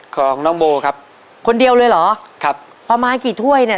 ของน้องโบครับคนเดียวเลยเหรอครับประมาณกี่ถ้วยเนี้ย